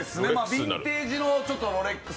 ビンテージのロレックス。